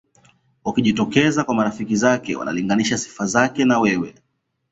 Ukijitokeza kwa marafiki zake wanalinganisha sifa zake na wewe